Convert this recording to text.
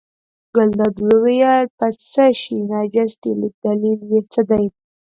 ګلداد وویل په څه شي نجس دی دلیل یې څه دی.